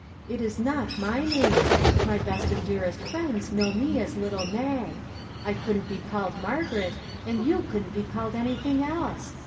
It is not my name ; my best and dearest friends know me as ' Little Mag.' I couldn't be called Margaret ; and you couldn't be called anything else.